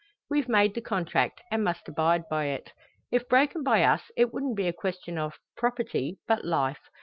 "We've made the contract, and must abide by it. If broken by us, it wouldn't be a question of property, but life.